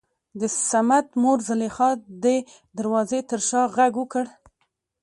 دصمد مور زليخا دې دروازې تر شا غږ وکړ.